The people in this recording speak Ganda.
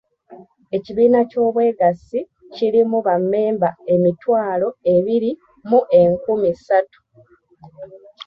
Ekibiina ky'obwegassi kirimu bammemba emitwalo ebiri mu enkumi ssatu.